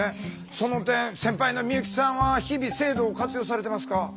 その点先輩の美由紀さんは日々制度を活用されてますか？